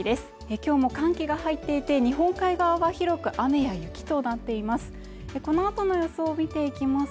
きょうも寒気が入っていて日本海側は広く雨や雪となっています